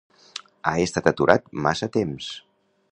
Ha estat aturat massa temps.